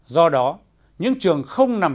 do đó những trường không nằm